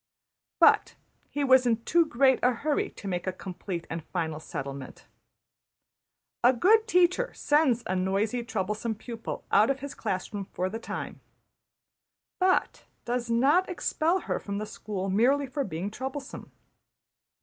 '' But he was in too great a hurry to make a complete and final settlement. A good teacher sends a noisy, troublesome pupil out of his class room for the time, but does not expel her from the school merely for being troublesome.